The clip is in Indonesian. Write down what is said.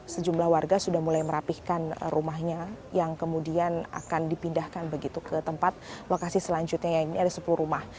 sejumlah warga sudah mulai merapihkan rumahnya yang kemudian akan dipindahkan begitu ke tempat lokasi selanjutnya yang ini ada sepuluh rumah